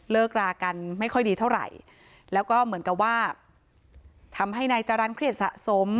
รากันไม่ค่อยดีเท่าไหร่แล้วก็เหมือนกับว่าทำให้นายจรรย์เครียดสะสม